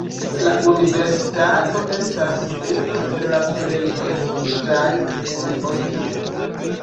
La universitato estas unu el la plej prestiĝaj en Ohio.